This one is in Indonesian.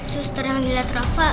suster yang dilihat rafa